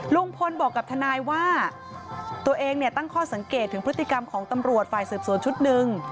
ลุงพลบอกกับทนายว่าตัวเองเนี่ยตั้งข้อสังเกตถึงพฤติกรรมของตำรวจฝ่ายสืบสวนชุดหนึ่ง